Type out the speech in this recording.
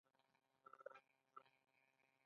هند په ختیځ پاکستان کې مداخله وکړه.